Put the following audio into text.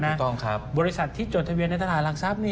ถูกต้องครับบริษัทที่จดทะเบียนในตลาดหลักทรัพย์